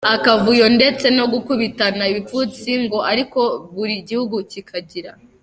akavuyo ndetse no gukubitana ibipfunsi ngo ariko buri gihugu kikagira